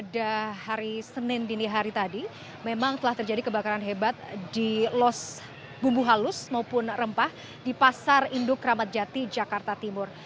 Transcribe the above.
pada hari senin dini hari tadi memang telah terjadi kebakaran hebat di los bumbu halus maupun rempah di pasar induk ramadjati jakarta timur